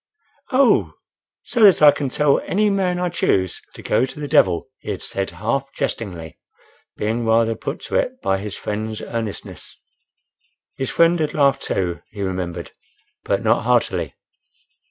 "Oh!—so that I can tell any man I choose to go to the d— l," he had said half jestingly, being rather put to it by his friend's earnestness. His friend had laughed too, he remembered, but not heartily.